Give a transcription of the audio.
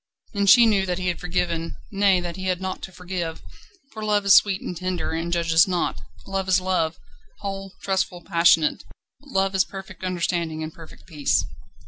And she knew that he had forgiven nay, that he had naught to forgive for Love is sweet and tender, and judges not. Love is Love whole, trustful, passionate. Love is perfect understanding and perfect peace.